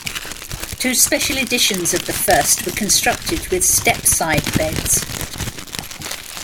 Two special editions of the first were constructed with step-side beds.